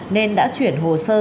nên đã chuyển hồ sơ